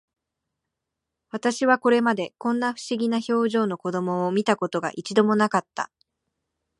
私はこれまで、こんな不思議な表情の子供を見た事が、一度も無かった